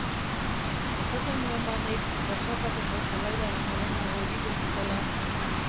Esaten nuen ba nik Josapateko zelaira baño lenago egingo zutela!